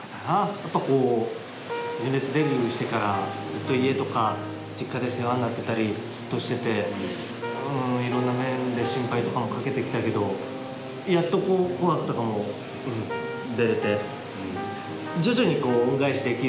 やっぱこう純烈デビューしてからずっと家とか実家で世話になってたりずっとしてていろんな面で心配とかもかけてきたけどほんとに今度はおお。